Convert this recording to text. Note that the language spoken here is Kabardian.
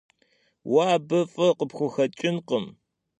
Vue abı f'ı khıpxuxeç'ınkhım.